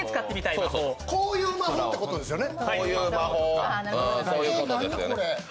こういう魔法ってことですよね？